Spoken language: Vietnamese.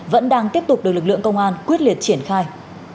vẫn đang tiếp tục được lực lượng công an quyết liệt triển khai